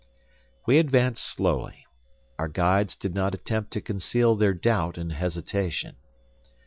We advanced slowly. Our guides did not attempt to conceal their doubt and hesitation.